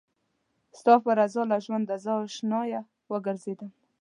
ستا په رضا له ژونده زه اشنايه وګرځېدم